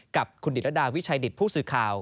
กับคุณดิตรดาวิชัยดิตผู้สื่อข่าว